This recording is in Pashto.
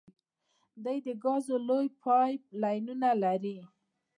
دوی د ګازو لویې پایپ لاینونه لري.